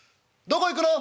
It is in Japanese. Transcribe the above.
どこ行くの？」。